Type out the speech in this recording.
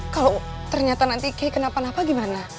kalau ternyata nanti kay kena panah apa gimana